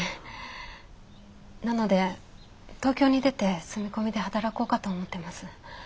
なので東京に出て住み込みで働こうかと思ってます。